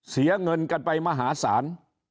เสียเงินกันไปมหาศาล